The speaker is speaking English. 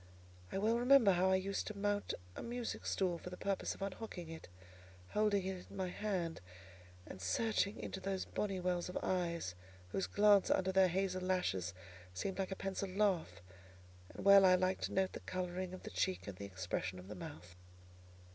I well remember how I used to mount a music stool for the purpose of unhooking it, holding it in my hand, and searching into those bonny wells of eyes, whose glance under their hazel lashes seemed like a pencilled laugh; and well I liked to note the colouring of the cheek, and the expression of the mouth."